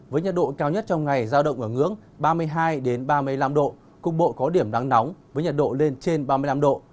với nhiệt độ cao nhất trong ngày giao động ở ngưỡng ba mươi hai ba mươi năm độ cục bộ có điểm nắng nóng với nhiệt độ lên trên ba mươi năm độ